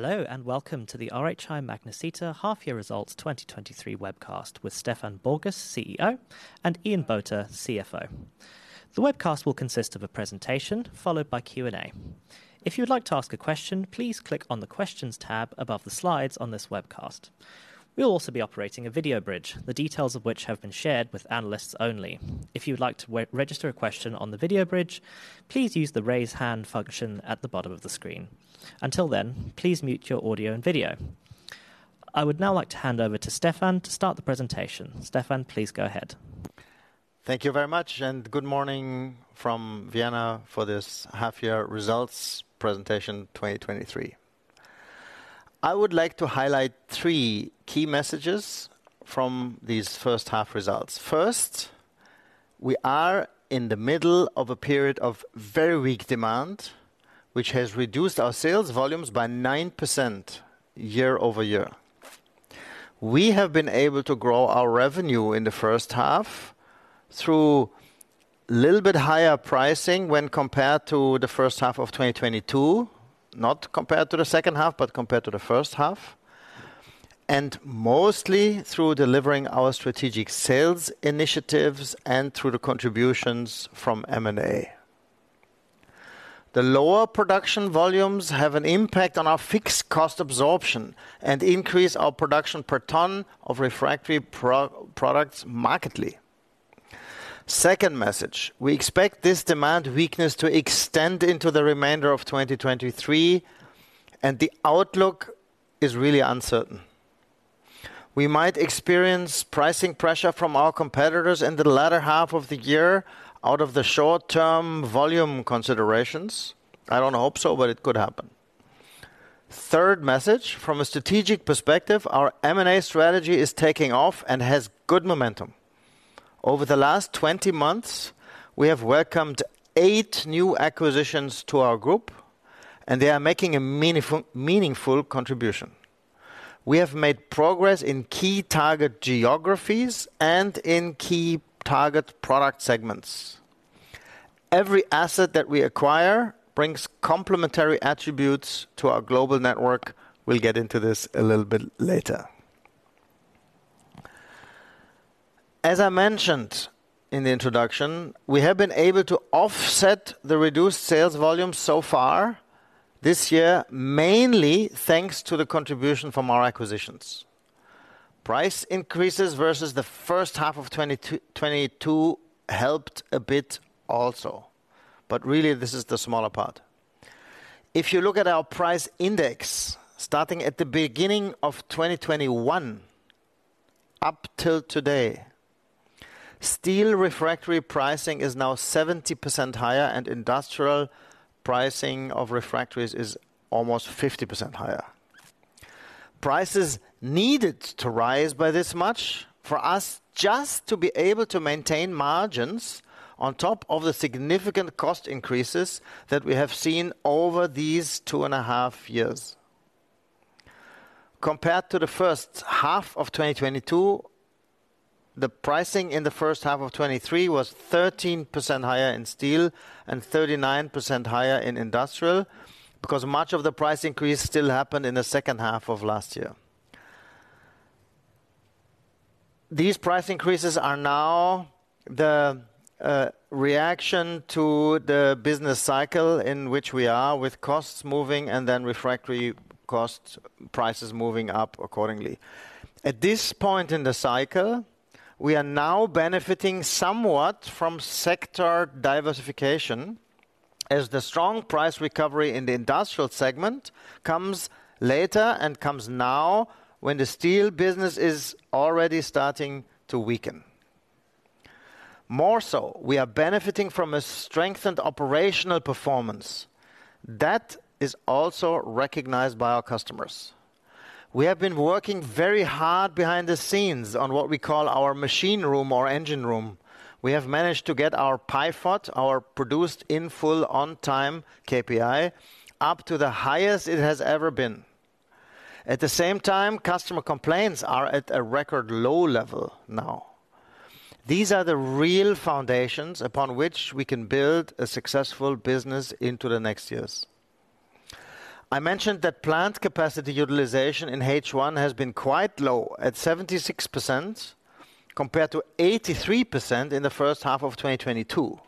Hello, welcome to the RHI Magnesita Half Year Results 2023 Webcast with Stefan Borgas, CEO, and Ian Botha, CFO. The webcast will consist of a presentation followed by Q&A. If you would like to ask a question, please click on the Questions tab above the slides on this webcast. We'll also be operating a video bridge, the details of which have been shared with analysts only. If you would like to register a question on the video bridge, please use the Raise Hand function at the bottom of the screen. Until then, please mute your audio and video. I would now like to hand over to Stefan to start the presentation. Stefan, please go ahead. Thank you very much. Good morning from Vienna for this Half Year Results Presentation 2023. I would like to highlight three key messages from these first half results. First, we are in the middle of a period of very weak demand, which has reduced our sales volumes by 9% year-over-year. We have been able to grow our revenue in the first half through little bit higher pricing when compared to the first half of 2022, not compared to the second half, but compared to the first half, and mostly through delivering our strategic sales initiatives and through the contributions from M&A. The lower production volumes have an impact on our fixed cost absorption and increase our production per ton of refractory products markedly. Second message: We expect this demand weakness to extend into the remainder of 2023, the outlook is really uncertain. We might experience pricing pressure from our competitors in the latter half of the year out of the short-term volume considerations. I don't hope so, it could happen. Third message: From a strategic perspective, our M&A strategy is taking off and has good momentum. Over the last 20 months, we have welcomed eight new acquisitions to our group, they are making a meaningful contribution. We have made progress in key target geographies and in key target product segments. Every asset that we acquire brings complementary attributes to our global network. We'll get into this a little bit later. As I mentioned in the introduction, we have been able to offset the reduced sales volume so far this year, mainly thanks to the contribution from our acquisitions. Price increases versus the first half of 2022 helped a bit also, but really, this is the smaller part. If you look at our price index, starting at the beginning of 2021 up till today, steel refractory pricing is now 70% higher, and industrial pricing of refractories is almost 50% higher. Prices needed to rise by this much for us just to be able to maintain margins on top of the significant cost increases that we have seen over these two and a half years. Compared to the first half of 2022, the pricing in the first half of 2023 was 13% higher in steel and 39% higher in industrial, because much of the price increase still happened in the second half of last year. These price increases are now the reaction to the business cycle in which we are, with costs moving and then refractory costs, prices moving up accordingly. At this point in the cycle, we are now benefiting somewhat from sector diversification, as the strong price recovery in the industrial segment comes later and comes now when the steel business is already starting to weaken. More so, we are benefiting from a strengthened operational performance that is also recognized by our customers. We have been working very hard behind the scenes on what we call our machine room or engine room. We have managed to get our PIFOT, our Produced In Full On Time KPI, up to the highest it has ever been. At the same time, customer complaints are at a record low level now. These are the real foundations upon which we can build a successful business into the next years. I mentioned that plant capacity utilization in H1 has been quite low, at 76%, compared to 83% in the first half of 2022.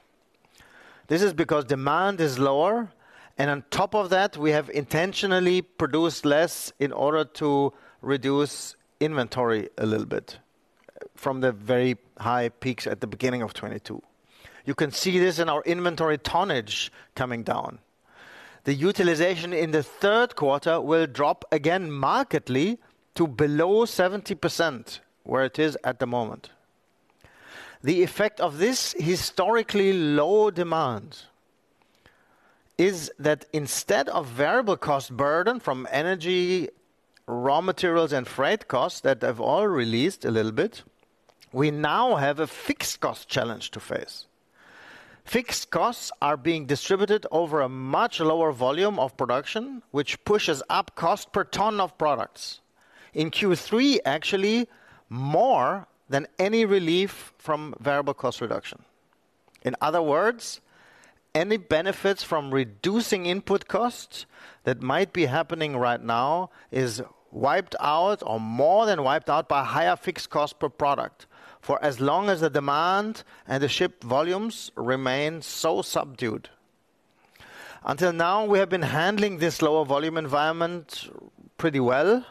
This is because demand is lower, and on top of that, we have intentionally produced less in order to reduce inventory a little bit from the very high peaks at the beginning of 2022. You can see this in our inventory tonnage coming down. The utilization in the third quarter will drop again markedly to below 70%, where it is at the moment. The effect of this historically low demand is that instead of variable cost burden from energy, raw materials, and freight costs that have all released a little bit, we now have a fixed cost challenge to face. Fixed costs are being distributed over a much lower volume of production, which pushes up cost per ton of products. In Q3, actually, more than any relief from variable cost reduction. In other words, any benefits from reducing input costs that might be happening right now is wiped out or more than wiped out by higher fixed costs per product, for as long as the demand and the shipped volumes remain so subdued. Until now, we have been handling this lower volume environment pretty well.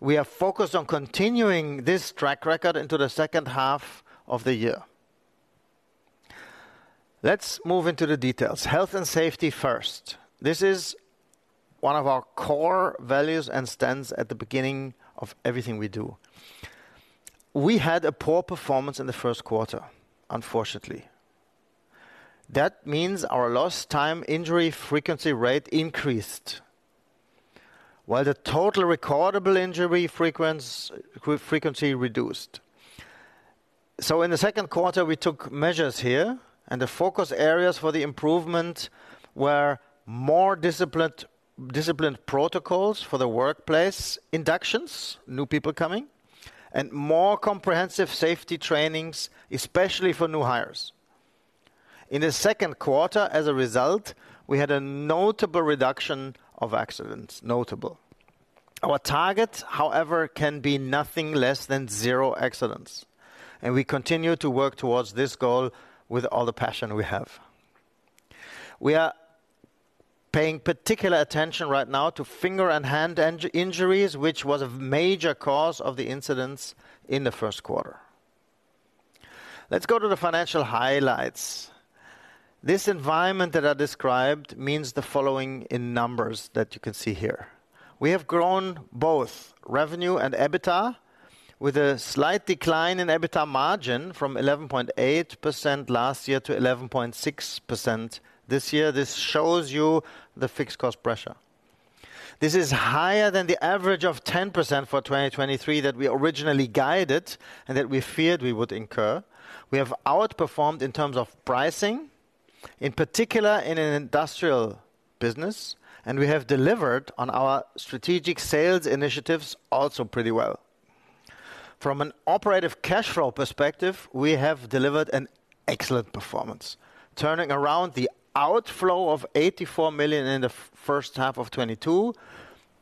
We are focused on continuing this track record into the second half of the year. Let's move into the details. Health and safety first. This is one of our core values and stands at the beginning of everything we do. We had a poor performance in the first quarter, unfortunately. That means our lost time injury frequency rate increased, while the total recordable injury frequency rate reduced. In the second quarter, we took measures here, and the focus areas for the improvement were more disciplined protocols for the workplace inductions, new people coming, and more comprehensive safety trainings, especially for new hires. In the second quarter, as a result, we had a notable reduction of accidents. Notable. Our target, however, can be nothing less than zero accidents, and we continue to work towards this goal with all the passion we have. We are paying particular attention right now to finger and hand injuries, which was a major cause of the incidents in the first quarter. Let's go to the financial highlights. This environment that I described means the following in numbers that you can see here. We have grown both revenue and EBITDA, with a slight decline in EBITDA margin from 11.8% last year to 11.6% this year. This shows you the fixed cost pressure. This is higher than the average of 10% for 2023 that we originally guided and that we feared we would incur. We have outperformed in terms of pricing, in particular in an industrial business, and we have delivered on our strategic sales initiatives also pretty well. From an operative cash flow perspective, we have delivered an excellent performance, turning around the outflow of 84 million in the first half of 2022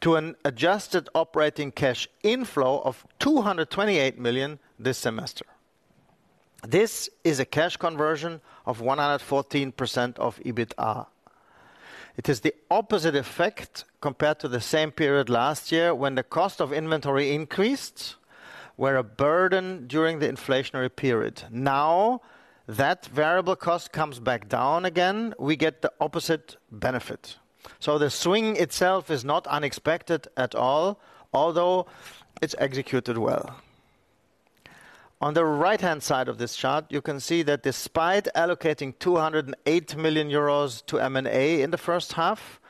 to an adjusted operating cash inflow of 228 million this semester. This is a cash conversion of 114% of EBITDA. It is the opposite effect compared to the same period last year, when the cost of inventory increased, were a burden during the inflationary period. Now, that variable cost comes back down again, we get the opposite benefit. The swing itself is not unexpected at all, although it's executed well. On the right-hand side of this chart, you can see that despite allocating 208 million euros to M&A in the first half,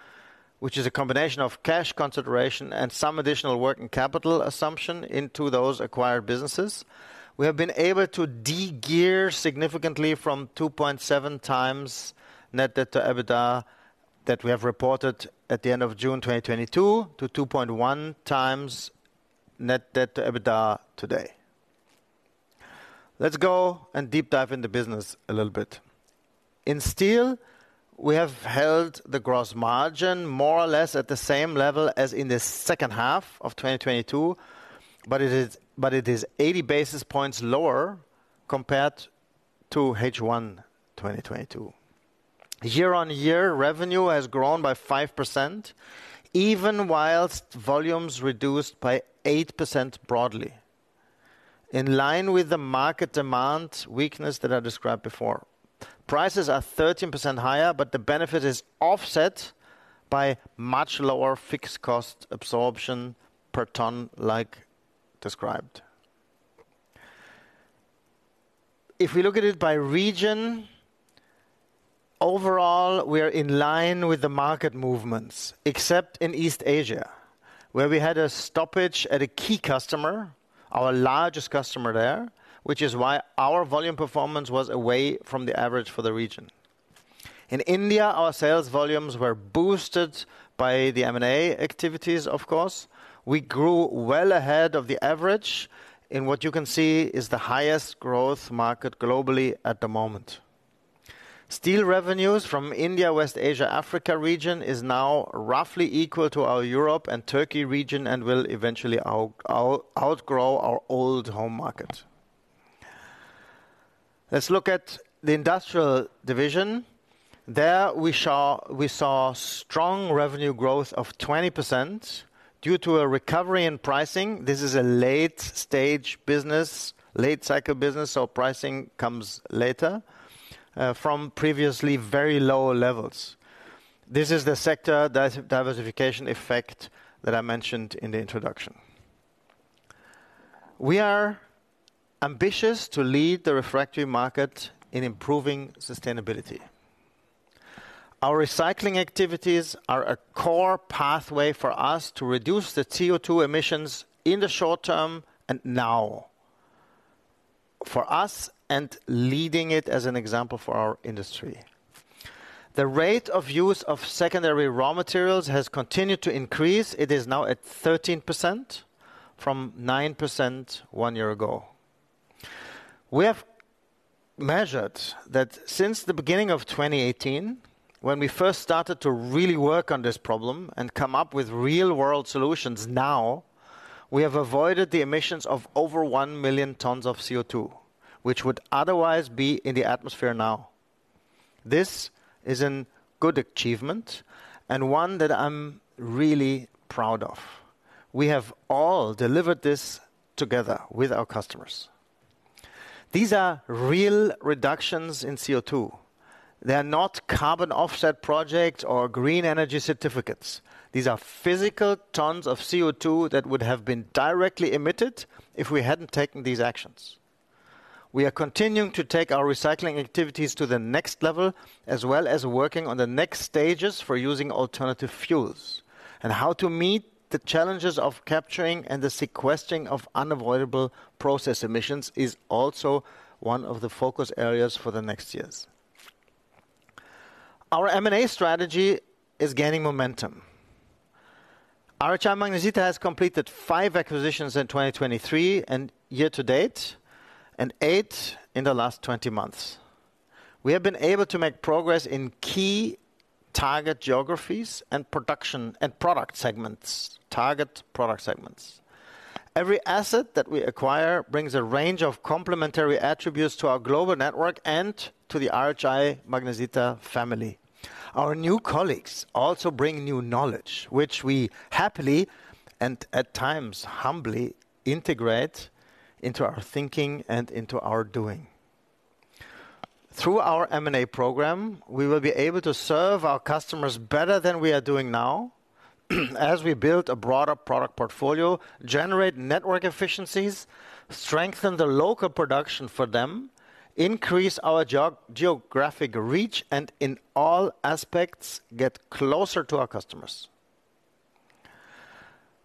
which is a combination of cash consideration and some additional working capital assumption into those acquired businesses, we have been able to de-gear significantly from 2.7 times net debt to EBITDA that we have reported at the end of June 2022, to 2.1 times net debt to EBITDA today. Let's go and deep dive in the business a little bit. In steel, we have held the gross margin more or less at the same level as in the second half of 2022, but it is 80 basis points lower compared to H1 2022. Year-on-year, revenue has grown by 5%, even whilst volumes reduced by 8% broadly, in line with the market demand weakness that I described before. Prices are 13% higher, but the benefit is offset by much lower fixed cost absorption per ton, like described. If we look at it by region, overall, we are in line with the market movements, except in East Asia, where we had a stoppage at a key customer, our largest customer there, which is why our volume performance was away from the average for the region. In India, our sales volumes were boosted by the M&A activities, of course. We grew well ahead of the average in what you can see is the highest growth market globally at the moment. Steel revenues from India, West Asia, Africa region is now roughly equal to our Europe and Turkey region and will eventually outgrow our old home market. Let's look at the industrial division. There, we saw strong revenue growth of 20% due to a recovery in pricing. This is a late-stage business, late-cycle business, so pricing comes later from previously very low levels. This is the sector diversification effect that I mentioned in the introduction. We are ambitious to lead the refractory market in improving sustainability. Our recycling activities are a core pathway for us to reduce the CO2 emissions in the short term and now. For us, leading it as an example for our industry. The rate of use of secondary raw materials has continued to increase. It is now at 13% from 9% one year ago. We have measured that since the beginning of 2018, when we first started to really work on this problem and come up with real-world solutions, now, we have avoided the emissions of over 1,000,000 tons of CO2, which would otherwise be in the atmosphere now. This is a good achievement and one that I'm really proud of. We have all delivered this together with our customers. These are real reductions in CO2. They are not carbon offset projects or green energy certificates. These are physical tons of CO2 that would have been directly emitted if we hadn't taken these actions. We are continuing to take our recycling activities to the next level, as well as working on the next stages for using alternative fuels. How to meet the challenges of capturing and the sequestering of unavoidable process emissions is also one of the focus areas for the next years. Our M&A strategy is gaining momentum. RHI Magnesita has completed five acquisitions in 2023 and year-to-date, and eight in the last 20 months. We have been able to make progress in key target geographies and production and target product segments. Every asset that we acquire brings a range of complementary attributes to our global network and to the RHI Magnesita family. Our new colleagues also bring new knowledge, which we happily, and at times humbly, integrate into our thinking and into our doing. Through our M&A program, we will be able to serve our customers better than we are doing now, as we build a broader product portfolio, generate network efficiencies, strengthen the local production for them, increase our geo-geographic reach, and in all aspects, get closer to our customers.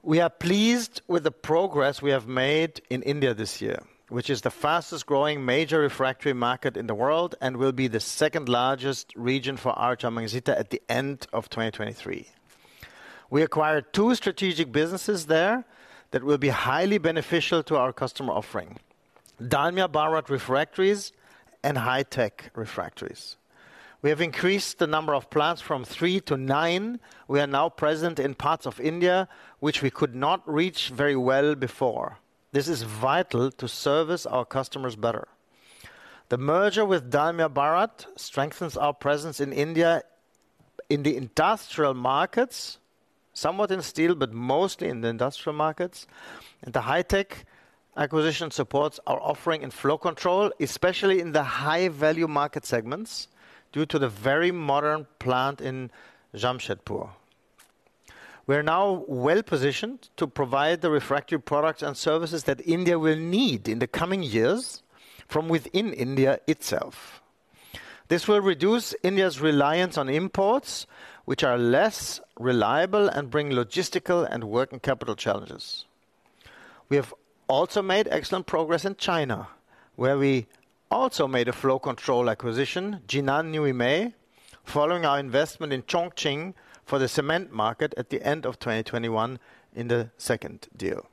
We are pleased with the progress we have made in India this year, which is the fastest-growing major refractory market in the world and will be the second-largest region for RHI Magnesita at the end of 2023. We acquired two strategic businesses there that will be highly beneficial to our customer offering: Dalmia Bharat Refractories and Hi-Tech Refractories. We have increased the number of plants from three to nine. We are now present in parts of India, which we could not reach very well before. This is vital to service our customers better. The merger with Dalmia Bharat strengthens our presence in India, in the industrial markets, somewhat in steel, but mostly in the industrial markets. The HiTech acquisition supports our offering in flow control, especially in the high-value market segments, due to the very modern plant in Jamshedpur. We are now well positioned to provide the refractory products and services that India will need in the coming years from within India itself. This will reduce India's reliance on imports, which are less reliable and bring logistical and working capital challenges. We have also made excellent progress in China, where we also made a flow control acquisition, Jinan New Emei, following our investment in Chongqing for the cement market at the end of 2021 in the second deal.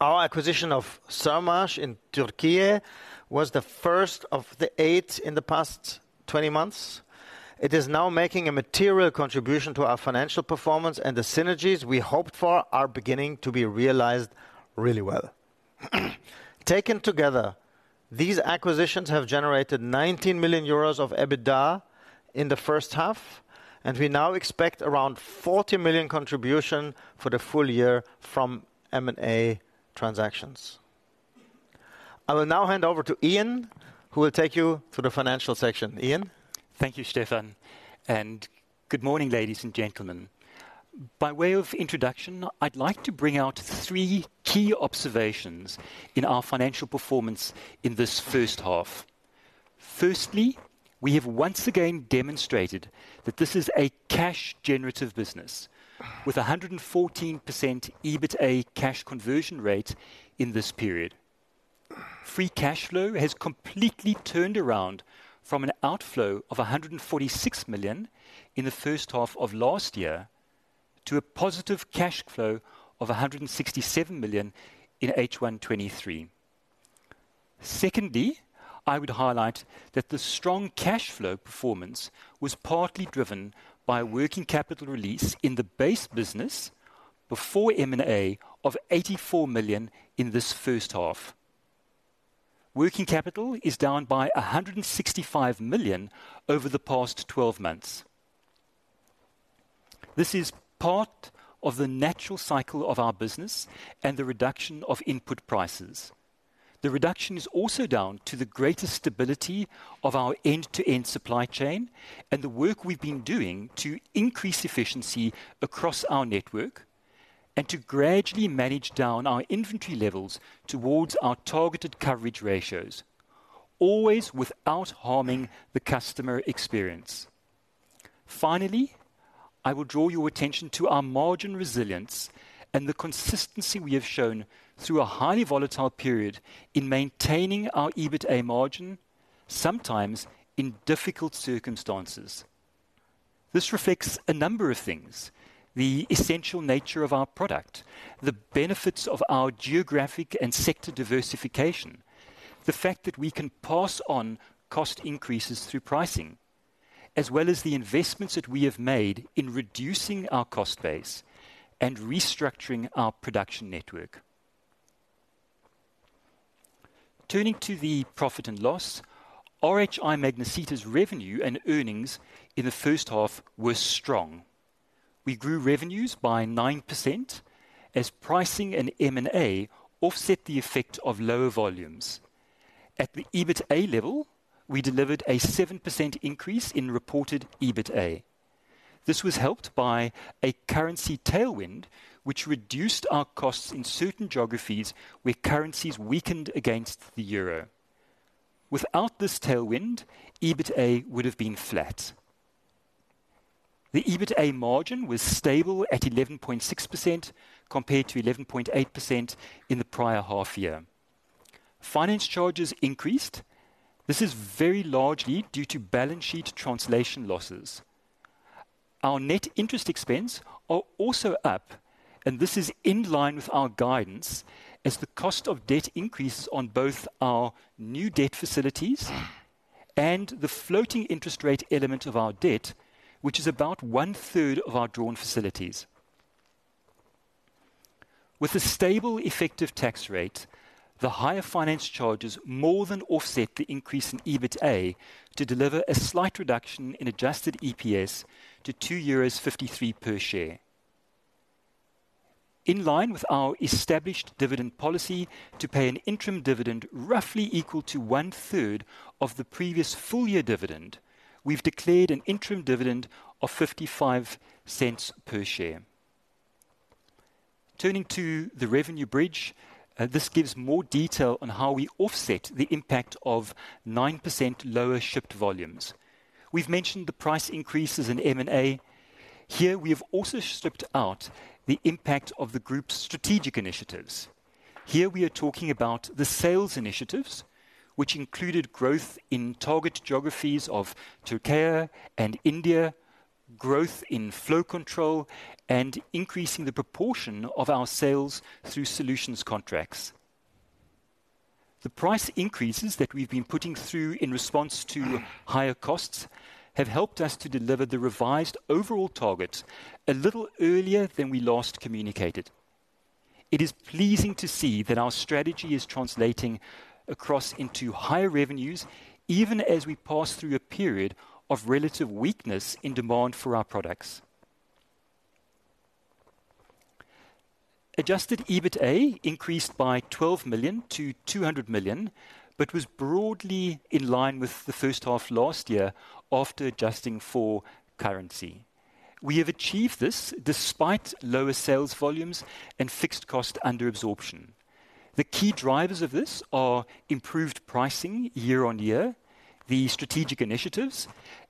Our acquisition of Sermas in Türkiye was the first of the eight in the past 20 months. It is now making a material contribution to our financial performance, and the synergies we hoped for are beginning to be realized really well. Taken together, these acquisitions have generated 19 million euros of EBITDA in the first half, and we now expect around 40 million contribution for the full year from M&A transactions. I will now hand over to Ian, who will take you through the financial section. Ian? Thank you, Stefan. Good morning, ladies and gentlemen. By way of introduction, I'd like to bring out three key observations in our financial performance in this first half. Firstly, we have once again demonstrated that this is a cash-generative business, with a 114% EBITA cash conversion rate in this period. Free cash flow has completely turned around from an outflow of 146 million in the first half of last year to a positive cash flow of 167 million in H1 2023. Secondly, I would highlight that the strong cash flow performance was partly driven by working capital release in the base business before M&A of 84 million in this first half. Working capital is down by 165 million over the past 12 months. This is part of the natural cycle of our business and the reduction of input prices. The reduction is also down to the greater stability of our end-to-end supply chain and the work we've been doing to increase efficiency across our network and to gradually manage down our inventory levels towards our targeted coverage ratios, always without harming the customer experience. Finally, I will draw your attention to our margin resilience and the consistency we have shown through a highly volatile period in maintaining our EBITA margin, sometimes in difficult circumstances. This reflects a number of things: the essential nature of our product, the benefits of our geographic and sector diversification, the fact that we can pass on cost increases through pricing, as well as the investments that we have made in reducing our cost base and restructuring our production network. Turning to the profit and loss, RHI Magnesita's revenue and earnings in the first half were strong. We grew revenues by 9% as pricing and M&A offset the effect of lower volumes. At the EBITA level, we delivered a 7% increase in reported EBITA. This was helped by a currency tailwind, which reduced our costs in certain geographies where currencies weakened against the EUR. Without this tailwind, EBITA would have been flat. The EBITA margin was stable at 11.6%, compared to 11.8% in the prior half year. Finance charges increased. This is very largely due to balance sheet translation losses. Our net interest expense are also up. This is in line with our guidance as the cost of debt increases on both our new debt facilities and the floating interest rate element of our debt, which is about one-third of our drawn facilities. With a stable effective tax rate, the higher finance charges more than offset the increase in EBITA to deliver a slight reduction in adjusted EPS to 2.53 euros per share. In line with our established dividend policy to pay an interim dividend roughly equal to one-third of the previous full year dividend, we've declared an interim dividend of 0.55 per share. Turning to the revenue bridge, this gives more detail on how we offset the impact of 9% lower shipped volumes. We've mentioned the price increases in M&A. Here, we have also stripped out the impact of the group's strategic initiatives. Here we are talking about the sales initiatives, which included growth in target geographies of Turkiye and India, growth in flow control, and increasing the proportion of our sales through solutions contracts. The price increases that we've been putting through in response to higher costs have helped us to deliver the revised overall target a little earlier than we last communicated. It is pleasing to see that our strategy is translating across into higher revenues, even as we pass through a period of relative weakness in demand for our products. Adjusted EBITA increased by 12 million to 200 million, but was broadly in line with the first half last year after adjusting for currency. We have achieved this despite lower sales volumes and fixed cost under absorption. The key drivers of this are improved pricing year-on-year, the strategic initiatives,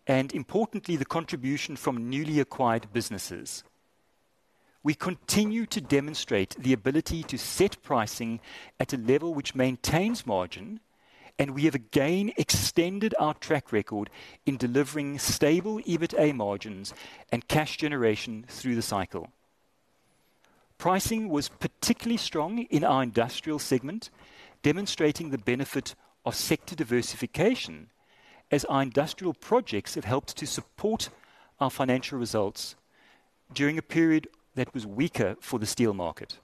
and importantly, the contribution from newly acquired businesses. We continue to demonstrate the ability to set pricing at a level which maintains margin. We have again extended our track record in delivering stable EBITA margins and cash generation through the cycle. Pricing was particularly strong in our industrial segment, demonstrating the benefit of sector diversification as our industrial projects have helped to support our financial results during a period that was weaker for the steel market.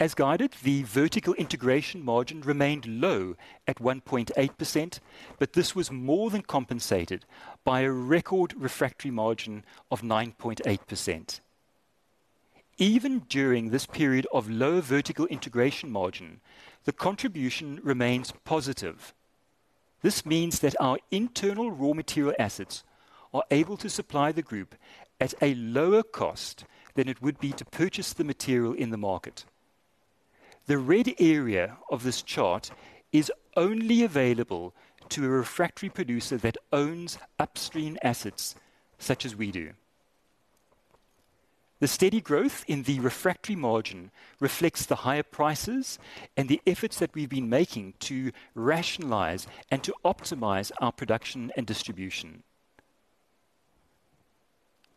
As guided, the vertical integration margin remained low at 1.8%. This was more than compensated by a record refractory margin of 9.8%. Even during this period of low vertical integration margin, the contribution remains positive. This means that our internal raw material assets are able to supply the group at a lower cost than it would be to purchase the material in the market. The red area of this chart is only available to a refractory producer that owns upstream assets, such as we do. The steady growth in the refractory margin reflects the higher prices and the efforts that we've been making to rationalize and to optimize our production and distribution.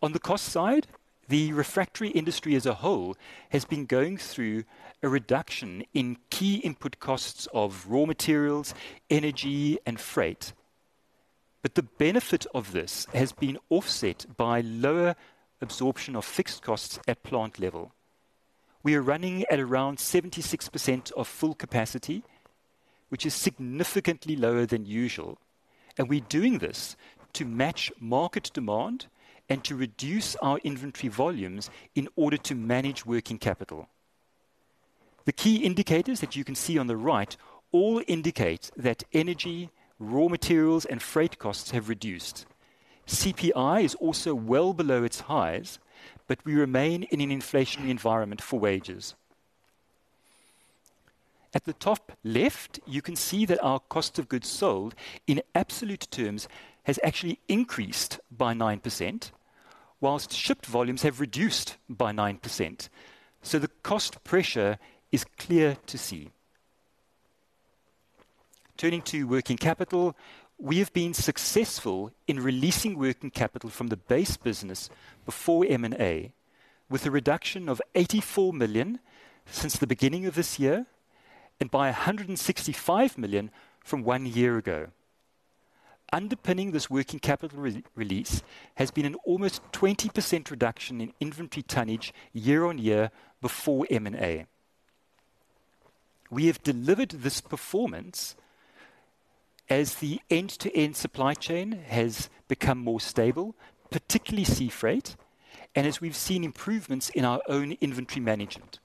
On the cost side, the refractory industry as a whole has been going through a reduction in key input costs of raw materials, energy, and freight. The benefit of this has been offset by lower absorption of fixed costs at plant level. We are running at around 76% of full capacity, which is significantly lower than usual, and we're doing this to match market demand and to reduce our inventory volumes in order to manage working capital. The key indicators that you can see on the right all indicate that energy, raw materials, and freight costs have reduced. CPI is also well below its highs. We remain in an inflationary environment for wages. At the top left, you can see that our cost of goods sold, in absolute terms, has actually increased by 9%, whilst shipped volumes have reduced by 9%. The cost pressure is clear to see. Turning to working capital, we have been successful in releasing working capital from the base business before M&A, with a reduction of 84 million since the beginning of this year and by 165 million from one year ago. Underpinning this working capital re-release has been an almost 20% reduction in inventory tonnage year-on-year before M&A. We have delivered this performance as the end-to-end supply chain has become more stable, particularly sea freight, and as we've seen improvements in our own inventory management.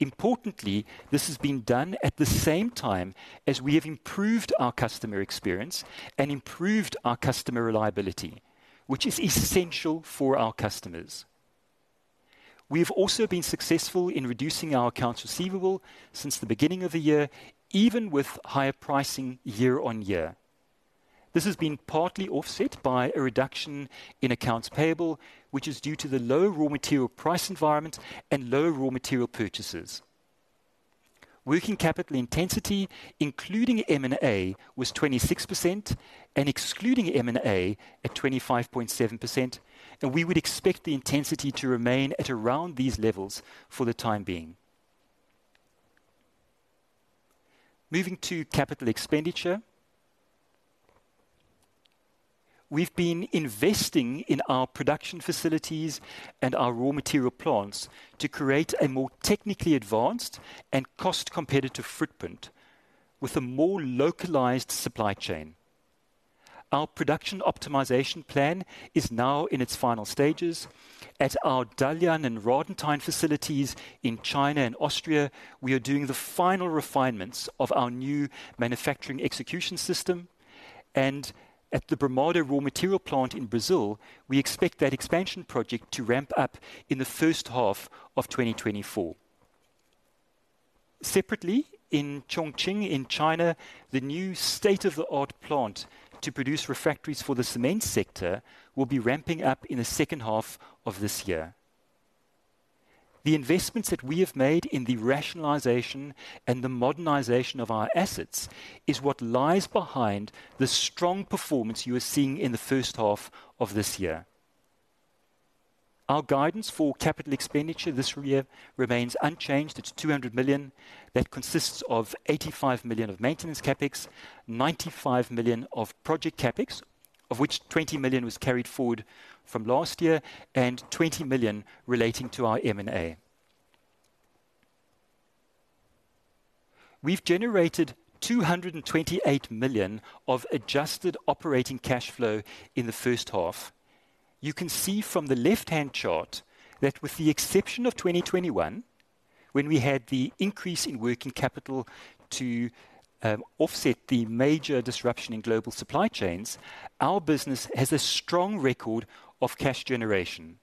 Importantly, this has been done at the same time as we have improved our customer experience and improved our customer reliability, which is essential for our customers. We have also been successful in reducing our accounts receivable since the beginning of the year, even with higher pricing year-on-year. This has been partly offset by a reduction in accounts payable, which is due to the low raw material price environment and low raw material purchases. Working capital intensity, including M&A, was 26% and excluding M&A at 25.7%, and we would expect the intensity to remain at around these levels for the time being. Moving to capital expenditure. We've been investing in our production facilities and our raw material plants to create a more technically advanced and cost-competitive footprint with a more localized supply chain. Our Production Optimisation Plan is now in its final stages. At our Dalian and Radenthein facilities in China and Austria, we are doing the final refinements of our new Manufacturing Execution System, at the Brumado raw material plant in Brazil, we expect that expansion project to ramp up in the first half of 2024. Separately, in Chongqing, in China, the new state-of-the-art plant to produce refractories for the cement sector will be ramping up in the second half of this year. The investments that we have made in the rationalization and the modernization of our assets is what lies behind the strong performance you are seeing in the first half of this year. Our guidance for capital expenditure this year remains unchanged. It's 200 million. That consists of 85 million of maintenance CapEx, 95 million of project CapEx, of which 20 million was carried forward from last year, and 20 million relating to our M&A. We've generated 228 million of adjusted operating cash flow in the first half. You can see from the left-hand chart that with the exception of 2021, when we had the increase in working capital to offset the major disruption in global supply chains, our business has a strong record of cash generation.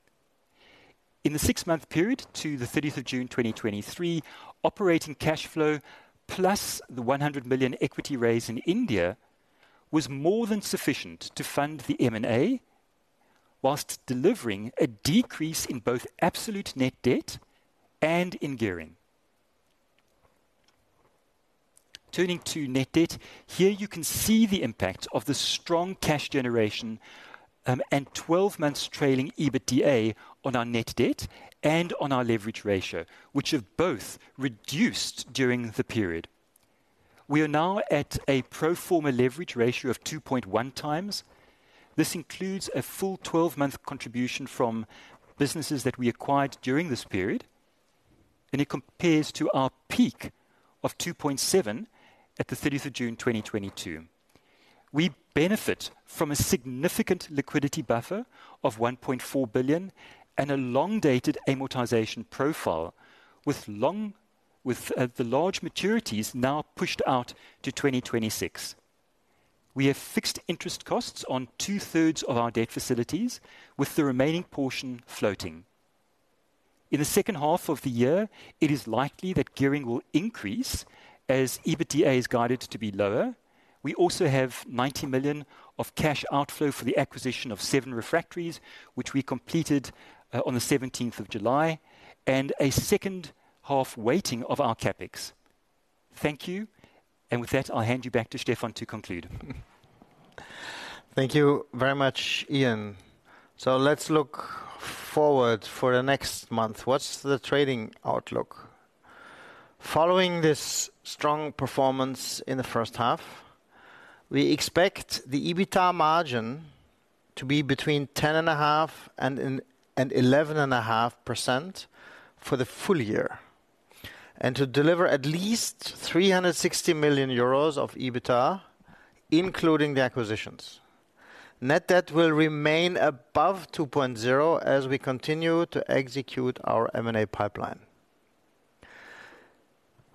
In the six month period to the 30June 2023, operating cash flow plus the 100 million equity raise in India was more than sufficient to fund the M&A, whilst delivering a decrease in both absolute net debt and in gearing. Turning to net debt. Here you can see the impact of the strong cash generation and 12 months trailing EBITDA on our net debt and on our leverage ratio, which have both reduced during the period. We are now at a pro forma leverage ratio of 2.1 times. This includes a full 12 months contribution from businesses that we acquired during this period. It compares to our peak of 2.7 billion at the 30 June 2022. We benefit from a significant liquidity buffer of 1.4 billion and a long-dated amortization profile with long with the large maturities now pushed out to 2026. We have fixed interest costs on two-thirds of our debt facilities, with the remaining portion floating. In the second half of the year, it is likely that gearing will increase as EBITDA is guided to be lower. We also have 90 million of cash outflow for the acquisition of SEVEN Refractories, which we completed on the 17 of July, and a second-half weighting of our CapEx. Thank you. With that, I'll hand you back to Stefan to conclude. Thank you very much, Ian. Let's look forward for the next month. What's the trading outlook? Following this strong performance in the first half, we expect the EBITDA margin to be between 10.5% and 11.5% for the full year, and to deliver at least 360 million euros of EBITDA, including the acquisitions. Net debt will remain above 2.0 as we continue to execute our M&A pipeline.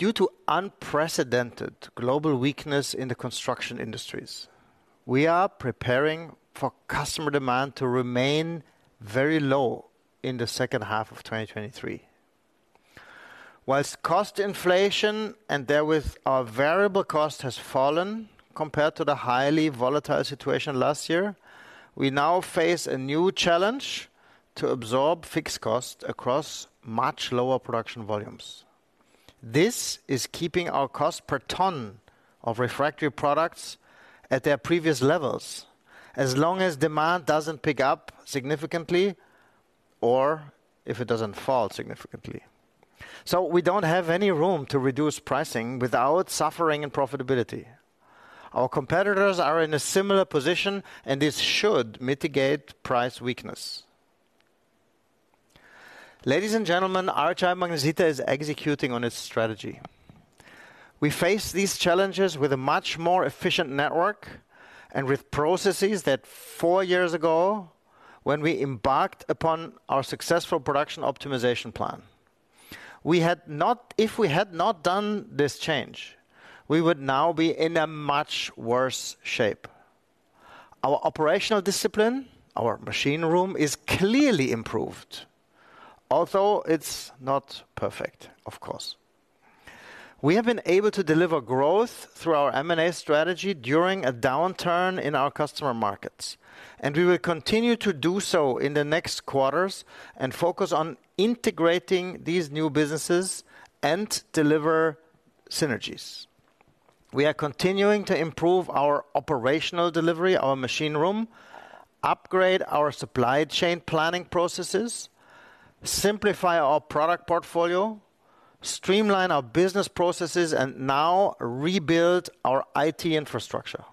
Due to unprecedented global weakness in the construction industries, we are preparing for customer demand to remain very low in the second half of 2023. Whilst cost inflation, and therewith our variable cost, has fallen compared to the highly volatile situation last year, we now face a new challenge to absorb fixed costs across much lower production volumes. This is keeping our cost per ton of refractory products at their previous levels as long as demand doesn't pick up significantly or if it doesn't fall significantly. We don't have any room to reduce pricing without suffering in profitability. Our competitors are in a similar position, and this should mitigate price weakness. Ladies and gentlemen, RHI Magnesita is executing on its strategy. We face these challenges with a much more efficient network and with processes that four years ago, when we embarked upon our successful Production Optimisation Plan. If we had not done this change, we would now be in a much worse shape. Our operational discipline, our machine room, is clearly improved, although it's not perfect, of course. We have been able to deliver growth through our M&A strategy during a downturn in our customer markets, and we will continue to do so in the next quarters and focus on integrating these new businesses and deliver synergies. We are continuing to improve our operational delivery, our machine room, upgrade our supply chain planning processes, simplify our product portfolio, streamline our business processes, and now rebuild our IT infrastructure.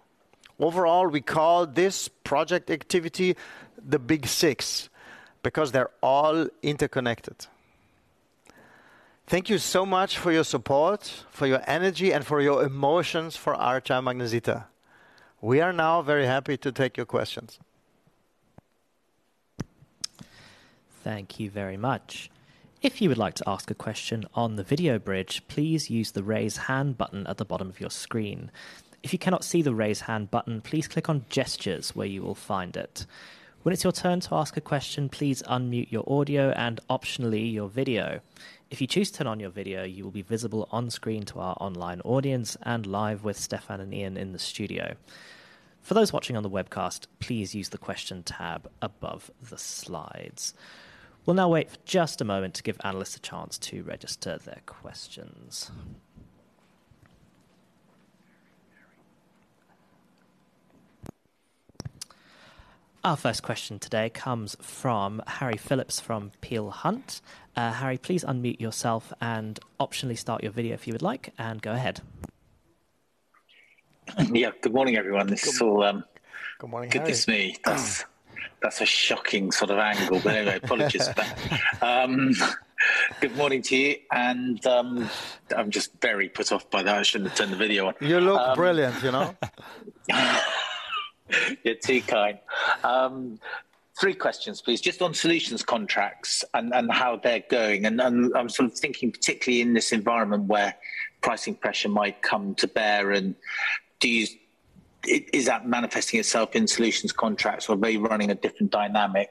Overall, we call this project activity "The Big Six," because they're all interconnected. Thank you so much for your support, for your energy, and for your emotions for RHI Magnesita. We are now very happy to take your questions. Thank you very much. If you would like to ask a question on the video bridge, please use the Raise Hand button at the bottom of your screen. If you cannot see the Raise Hand button, please click on Gestures, where you will find it. When it's your turn to ask a question, please unmute your audio and optionally, your video. If you choose to turn on your video, you will be visible on screen to our online audience and live with Stefan and Ian in the studio. For those watching on the webcast, please use the Question tab above the slides. We'll now wait for just a moment to give analysts a chance to register their questions. Our first question today comes from Harry Philips, from Peel Hunt. Harry, please unmute yourself and optionally start your video if you would like, and go ahead. Yeah, good morning, everyone. This is all. Good morning, Harry. Good to see me. That's a shocking sort of angle, anyway, apologies for that. Good morning to you, I'm just very put off by that. I shouldn't have turned the video on. You look brilliant, you know? You're too kind. three questions, please. Just on solutions contracts and how they're going, and I'm sort of thinking particularly in this environment where pricing pressure might come to bear is that manifesting itself in solutions contracts, or are they running a different dynamic?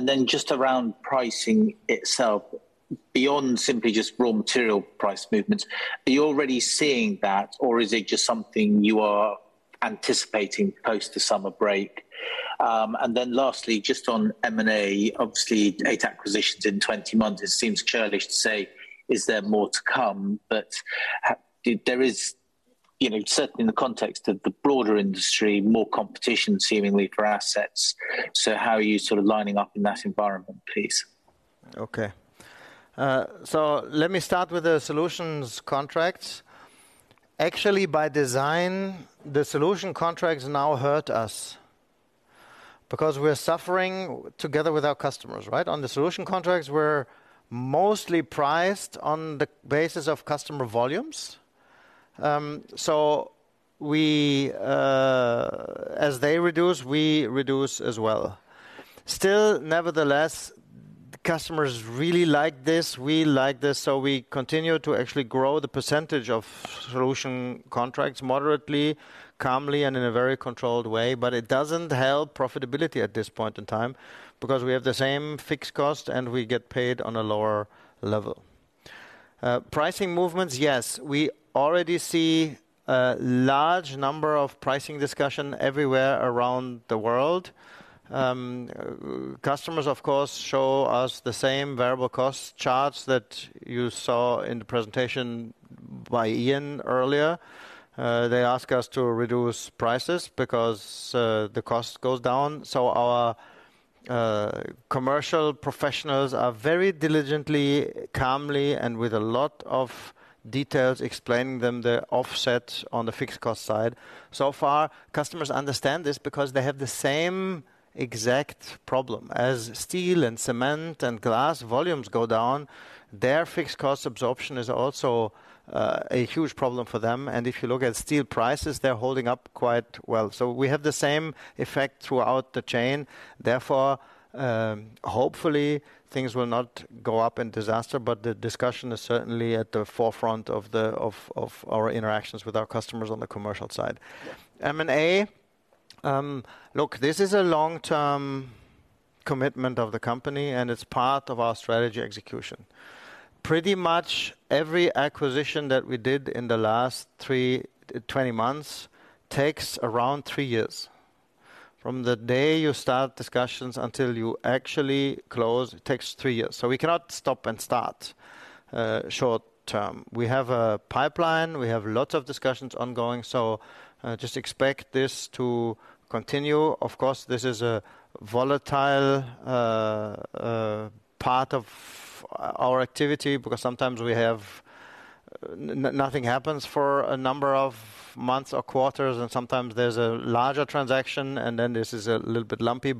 Then just around pricing itself, beyond simply just raw material price movements, are you already seeing that, or is it just something you are anticipating post the summer break? Lastly, just on M&A, obviously, eight acquisitions in 20 months, it seems churlish to say, "Is there more to come?" There is, you know, certainly in the context of the broader industry, more competition seemingly for assets. How are you sort of lining up in that environment, please? Let me start with the solutions contracts. Actually, by design, the solutions contracts now hurt us because we're suffering together with our customers, right? On the solutions contracts, we're mostly priced on the basis of customer volumes. We As they reduce, we reduce as well. Nevertheless, customers really like this. We like this, we continue to actually grow the percentage of solutions contracts moderately, calmly, and in a very controlled way. It doesn't help profitability at this point in time, because we have the same fixed cost, and we get paid on a lower level. Pricing movements, yes. We already see a large number of pricing discussion everywhere around the world. Customers, of course, show us the same variable cost charts that you saw in the presentation by Ian earlier. They ask us to reduce prices because the cost goes down. Our commercial professionals are very diligently, calmly, and with a lot of details, explaining them the offsets on the fixed cost side. So far, customers understand this because they have the same exact problem. As steel and cement and glass volumes go down, their fixed cost absorption is also a huge problem for them. If you look at steel prices, they're holding up quite well. We have the same effect throughout the chain. Hopefully, things will not go up in disaster. The discussion is certainly at the forefront of the, of our interactions with our customers on the commercial side. M&A, look, this is a long-term commitment of the company. It's part of our strategy execution. Pretty much every acquisition that we did in the last 20 months, takes around three years. From the day you start discussions until you actually close, it takes three years. We cannot stop and start short term. We have a pipeline, we have lots of discussions ongoing, just expect this to continue. Of course, this is a volatile part of our activity because sometimes nothing happens for a number of months or quarters, sometimes there's a larger transaction, this is a little bit lumpy.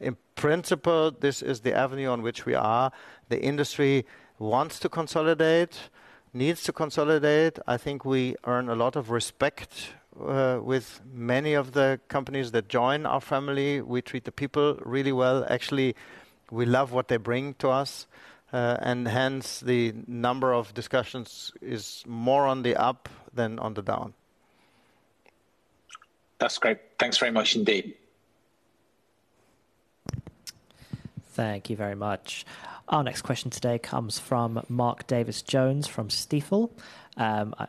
In principle, this is the avenue on which we are. The industry wants to consolidate, needs to consolidate. I think we earn a lot of respect with many of the companies that join our family. We treat the people really well. Actually, we love what they bring to us, and hence, the number of discussions is more on the up than on the down. That's great. Thanks very much indeed. Thank you very much. Our next question today comes from Mark Davies Jones, from Stifel.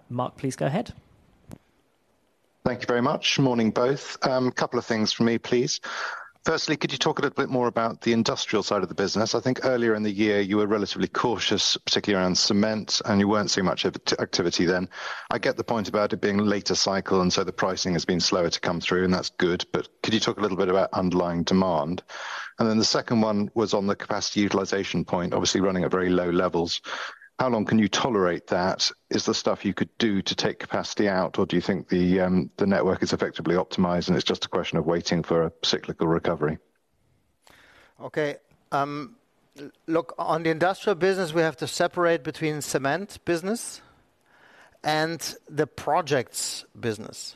Mark, please go ahead. Thank you very much. Morning, both. A couple of things from me, please. Firstly, could you talk a little bit more about the industrial side of the business? I think earlier in the year, you were relatively cautious, particularly around cement, and you weren't seeing much activity then. I get the point about it being later cycle, and so the pricing has been slower to come through, and that's good. Could you talk a little bit about underlying demand? The second one was on the capacity utilization point, obviously running at very low levels. How long can you tolerate that? Is there stuff you could do to take capacity out, or do you think the network is effectively optimized, and it's just a question of waiting for a cyclical recovery? Look, on the industrial business, we have to separate between cement business and the projects business.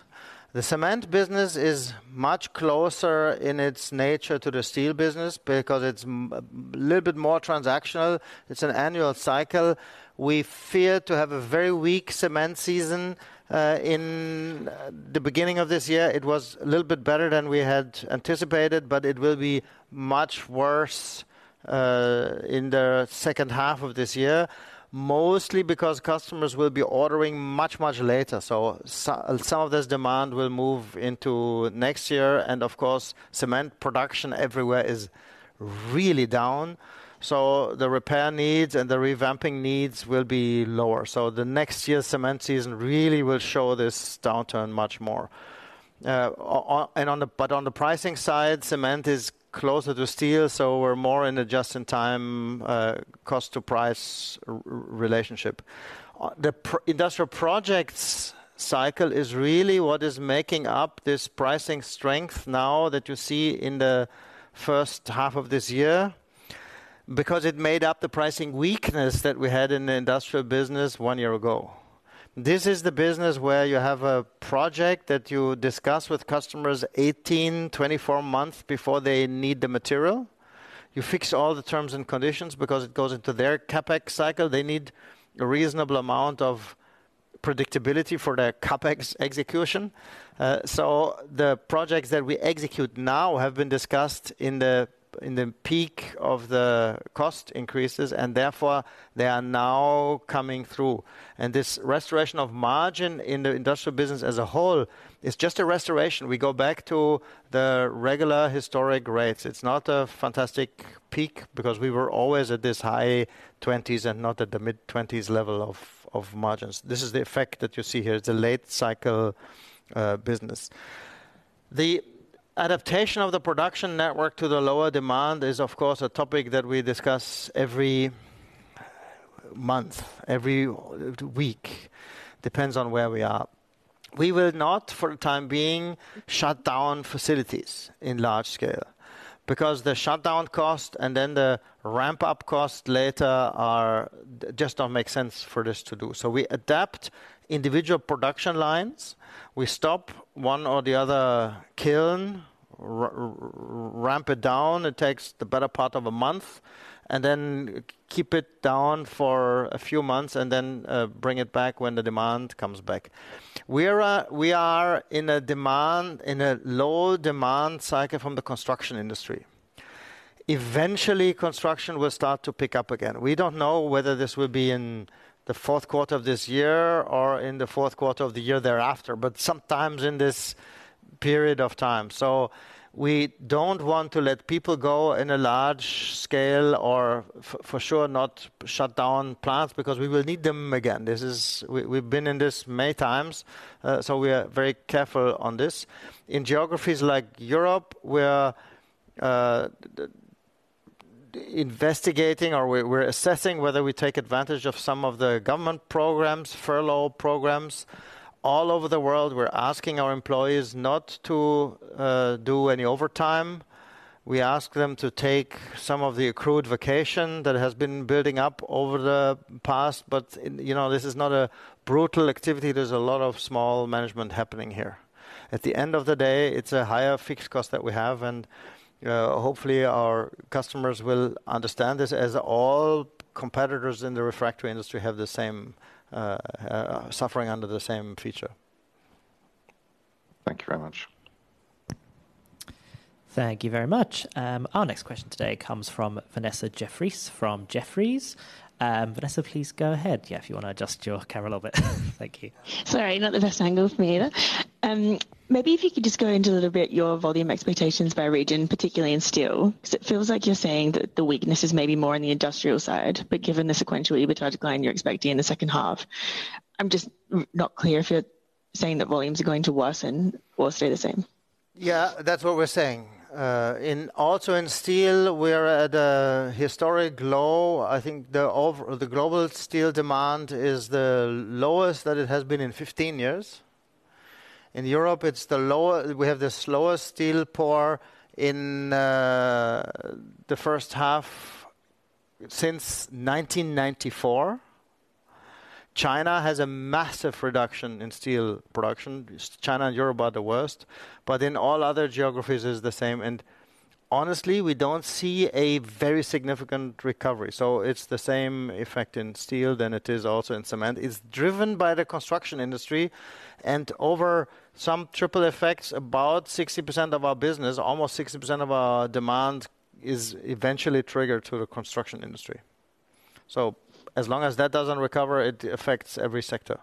The cement business is much closer in its nature to the steel business because it's a little bit more transactional. It's an annual cycle. We feared to have a very weak cement season in the beginning of this year. It was a little bit better than we had anticipated. It will be much worse in the second half of this year, mostly because customers will be ordering much, much later. Some of this demand will move into next year, of course, cement production everywhere is really down, so the repair needs and the revamping needs will be lower. The next year, cement season really will show this downturn much more. On the pricing side, cement is closer to steel. We're more in a just-in-time, cost-to-price relationship. The industrial projects cycle is really what is making up this pricing strength now that you see in the first half of this year, because it made up the pricing weakness that we had in the industrial business one year ago. This is the business where you have a project that you discuss with customers 18, 24 months before they need the material. You fix all the terms and conditions because it goes into their CapEx cycle. They need a reasonable amount of predictability for their CapEx execution. The projects that we execute now have been discussed in the, in the peak of the cost increases. Therefore, they are now coming through. This restoration of margin in the industrial business as a whole is just a restoration. We go back to the regular historic rates. It's not a fantastic peak because we were always at this high 20s and not at the mid-20s level of margins. This is the effect that you see here. It's a late cycle business. The adaptation of the production network to the lower demand is, of course, a topic that we discuss every month, every week, depends on where we are. We will not, for the time being, shut down facilities in large scale because the shutdown cost and then the ramp-up cost later just don't make sense for this to do. So we adapt individual production lines. We stop one or the other kiln, ramp it down. It takes the better part of a month, and then keep it down for a few months, and then bring it back when the demand comes back. We're, we are in a demand, in a low demand cycle from the construction industry. Eventually, construction will start to pick up again. We don't know whether this will be in the fourth quarter of this year or in the fourth quarter of the year thereafter, but sometimes in this period of time. So we don't want to let people go in a large scale or for sure, not shut down plants because we will need them again. This is. We, we've been in this many times, so we are very careful on this. In geographies like Europe, we are investigating or we're assessing whether we take advantage of some of the government programs, furlough programs. All over the world, we're asking our employees not to do any overtime. We ask them to take some of the accrued vacation that has been building up over the past, but, you know, this is not a brutal activity. There's a lot of small management happening here. At the end of the day, it's a higher fixed cost that we have, and hopefully, our customers will understand this as all competitors in the refractory industry have the same suffering under the same feature. Thank you very much. Thank you very much. Our next question today comes from Vanessa Jeffriess from Jefferies. Vanessa, please go ahead. Yeah, if you wanna adjust your camera a little bit. Thank you. Sorry, not the best angle for me either. Maybe if you could just go into a little bit your volume expectations by region, particularly in steel. It feels like you're saying that the weakness is maybe more on the industrial side, but given the sequential EBITDA decline you're expecting in the second half, I'm just not clear if you're saying that volumes are going to worsen or stay the same? Yeah, that's what we're saying. In also in steel, we're at a historic low. I think the global steel demand is the lowest that it has been in 15 years. In Europe, it's the lower. We have the slowest steel pour in the first half since 1994. China has a massive reduction in steel production. China and Europe are the worst, but in all other geographies, it's the same, and honestly, we don't see a very significant recovery. It's the same effect in steel than it is also in cement. It's driven by the construction industry and over some triple effects, about 60% of our business, almost 60% of our demand, is eventually triggered to the construction industry. As long as that doesn't recover, it affects every sector.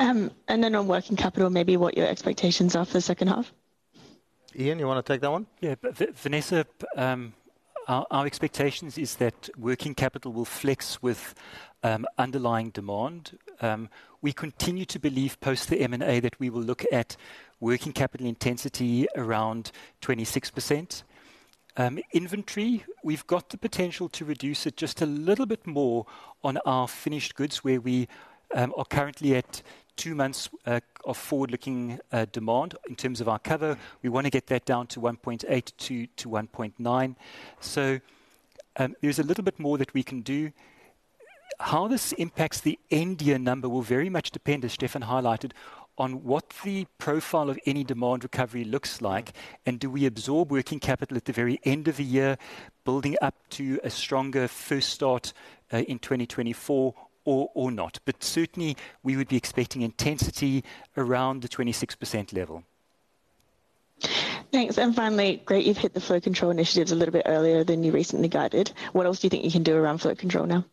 On working capital, maybe what your expectations are for the second half. Ian, you wanna take that one? Vanessa, our expectations is that working capital will flex with underlying demand. We continue to believe, post the M&A, that we will look at working capital intensity around 26%. Inventory, we've got the potential to reduce it just a little bit more on our finished goods, where we are currently at two months of forward-looking demand in terms of our cover. We wanna get that down to 1.8-1.9. There's a little bit more that we can do. How this impacts the end year number will very much depend, as Stefan highlighted, on what the profile of any demand recovery looks like, and do we absorb working capital at the very end of the year, building up to a stronger first start in 2024 or not? Certainly, we would be expecting intensity around the 26% level. Thanks, and finally, great, you've hit the flow control initiatives a little bit earlier than you recently guided. What else do you think you can do around flow control now?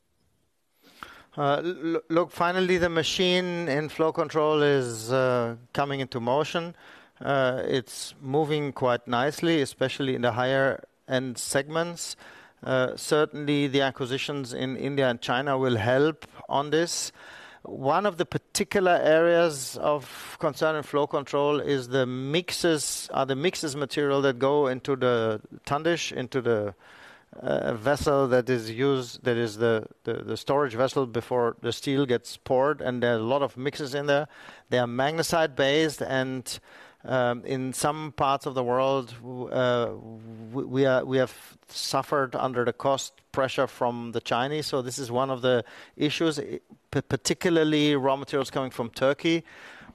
look, finally, the machine in flow control is coming into motion. It's moving quite nicely, especially in the higher-end segments. Certainly, the acquisitions in India and China will help on this. One of the particular areas of concern in flow control is the mixes, other mixes material that go into the tundish, into the vessel that is used, that is the storage vessel before the steel gets poured. There are a lot of mixes in there. They are magnesite-based. In some parts of the world, we have suffered under the cost pressure from the Chinese. This is one of the issues, particularly raw materials coming from Turkey.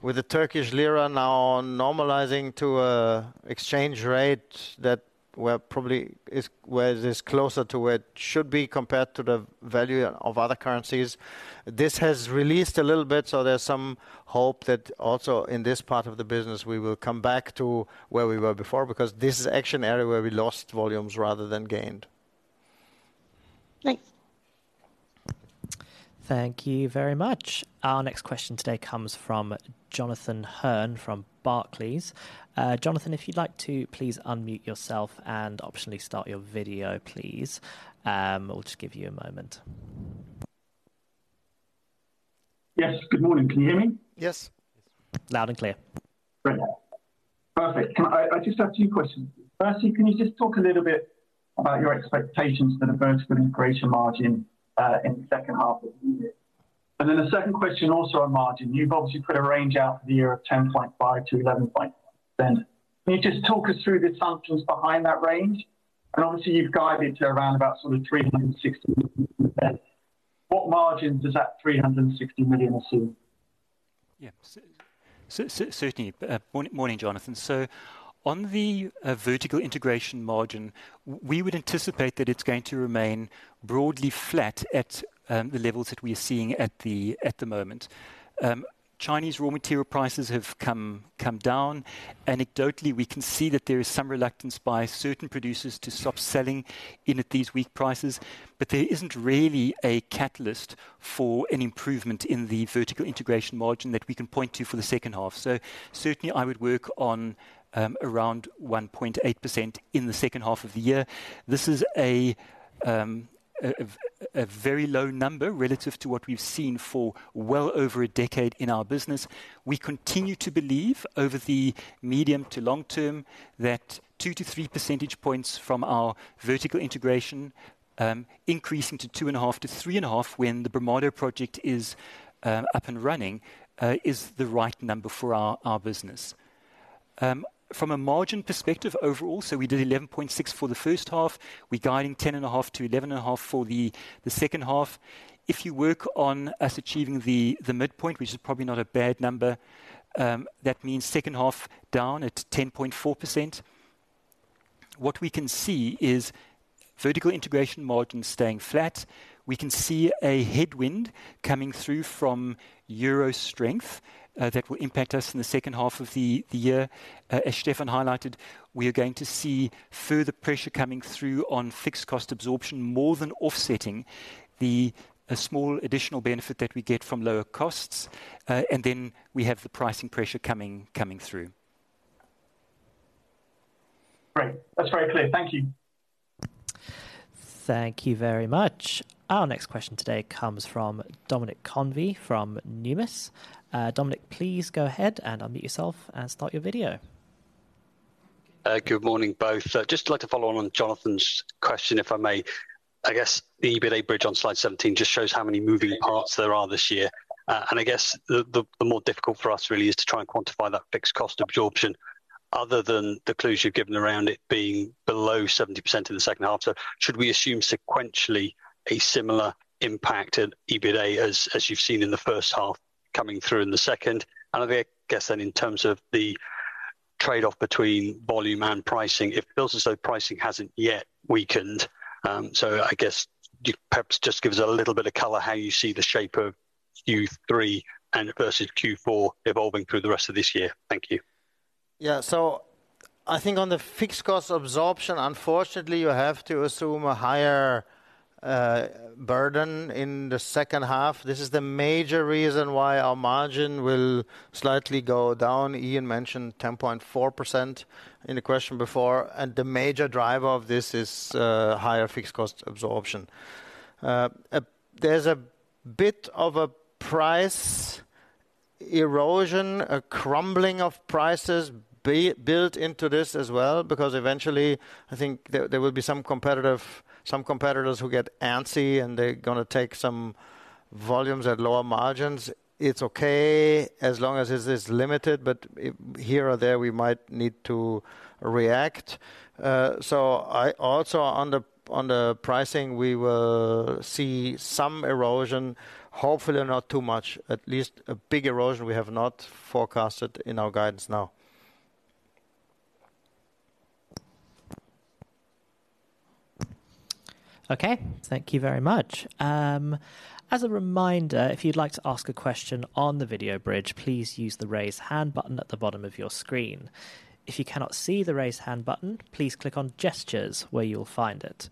With the Turkish lira now normalizing to a exchange rate that, well, probably is where it is closer to where it should be compared to the value of other currencies. This has released a little bit, so there's some hope that also in this part of the business, we will come back to where we were before, because this is actually an area where we lost volumes rather than gained. Thanks. Thank you very much. Our next question today comes from Jonathan Hurn from Barclays. Jonathan, if you'd like to please unmute yourself and optionally start your video, please. We'll just give you a moment. Yes. Good morning. Can you hear me? Yes. Loud and clear. Brilliant. Perfect. I just have two questions. Firstly, can you just talk a little bit about your expectations for the vertical integration margin in the second half of the year? The second question, also on margin, you've obviously put a range out for the year of 10.5%-11% then. Can you just talk us through the assumptions behind that range? Obviously, you've guided to around about sort of 360 million. What margin does that 360 million assume? Yeah, certainly. Morning, Jonathan. On the vertical integration margin, we would anticipate that it's going to remain broadly flat at the levels that we're seeing at the moment. Chinese raw material prices have come down. Anecdotally, we can see that there is some reluctance by certain producers to stop selling in at these weak prices, but there isn't really a catalyst for an improvement in the vertical integration margin that we can point to for the second half. Certainly, I would work on around 1.8% in the second half of the year. This is a very low number relative to what we've seen for well over a decade in our business. We continue to believe, over the medium to long term, that two to three percentage points from our vertical integration, increasing to 2.5-3.5, when the Brumado project is up and running, is the right number for our business. From a margin perspective overall, we did 11.6% for the first half. We're guiding 10.5%-11.5% for the second half. If you work on us achieving the midpoint, which is probably not a bad number, that means second half down at 10.4%. What we can see is vertical integration margins staying flat. We can see a headwind coming through from EUR strength, that will impact us in the second half of the year. As Stefan highlighted, we are going to see further pressure coming through on fixed cost absorption, more than offsetting the small additional benefit that we get from lower costs. We have the pricing pressure coming through. Great. That's very clear. Thank you. Thank you very much. Our next question today comes from Dominic Convey from Numis. Dominic, please go ahead and unmute yourself and start your video. Good morning, both. Just like to follow on Jonathan's question, if I may. I guess the EBITDA bridge on slide 17 just shows how many moving parts there are this year. I guess the, the more difficult for us really is to try and quantify that fixed cost absorption other than the clues you've given around it being below 70% in the second half. Should we assume sequentially a similar impact in EBITDA as you've seen in the first half coming through in the second? I guess then in terms of the trade-off between volume and pricing, it feels as though pricing hasn't yet weakened. I guess perhaps just give us a little bit of color how you see the shape of Q3 and versus Q4 evolving through the rest of this year. Thank you. I think on the fixed cost absorption, unfortunately, you have to assume a higher burden in the second half. This is the major reason why our margin will slightly go down. Ian mentioned 10.4% in the question before, the major driver of this is higher fixed cost absorption. There's a bit of a price erosion, a crumbling of prices built into this as well, because eventually, I think there will be some competitors who get antsy, and they're gonna take some volumes at lower margins. It's okay as long as it is limited, but here or there, we might need to react. I also, on the, on the pricing, we will see some erosion, hopefully not too much, at least a big erosion we have not forecasted in our guidance now. Okay. Thank you very much. As a reminder, if you'd like to ask a question on the video bridge, please use the Raise Hand button at the bottom of your screen. If you cannot see the Raise Hand button, please click on Gestures, where you'll find it.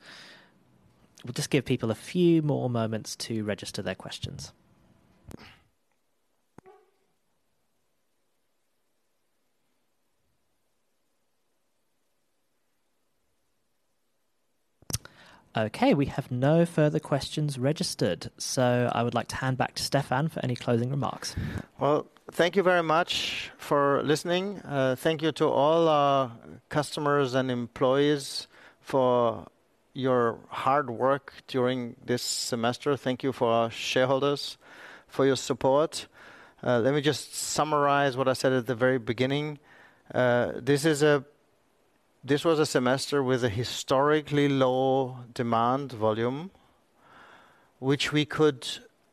We'll just give people a few more moments to register their questions. Okay, we have no further questions registered, so I would like to hand back to Stefan for any closing remarks. Thank you very much for listening. Thank you to all our customers and employees for your hard work during this semester. Thank you for our shareholders, for your support. Let me just summarize what I said at the very beginning. This was a semester with a historically low demand volume, which we could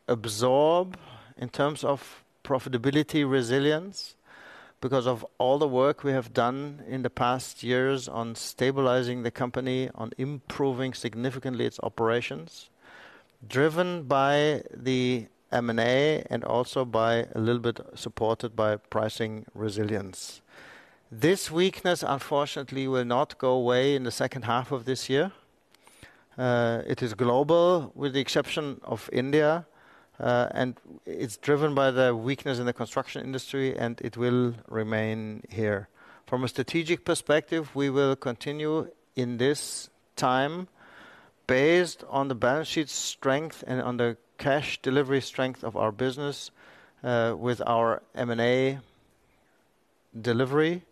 absorb in terms of profitability resilience, because of all the work we have done in the past years on stabilizing the company, on improving significantly its operations, driven by the M&A and also by a little bit supported by pricing resilience. This weakness, unfortunately, will not go away in the second half of this year. It is global, with the exception of India, and it's driven by the weakness in the construction industry, and it will remain here. From a strategic perspective, we will continue in this time, based on the balance sheet strength and on the cash delivery strength of our business, with our M&A delivery.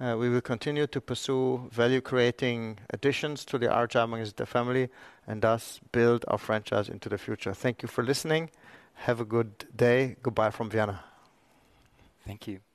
We will continue to pursue value-creating additions to the Archer Daniels Midland family and thus build our franchise into the future. Thank you for listening. Have a good day. Goodbye from Vienna. Thank you.